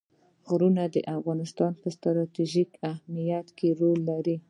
غرونه د افغانستان په ستراتیژیک اهمیت کې رول لري.